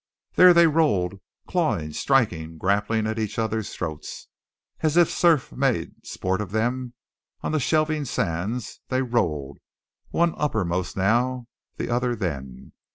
There they rolled, clawing, striking, grappling at each other's throats. As if surf made sport of them on the shelving sands they rolled, one upper most now, the other then.